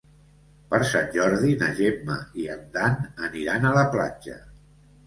Per Sant Jordi na Gemma i en Dan aniran a la platja.